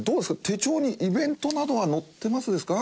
手帳にイベントなどは載ってますですか？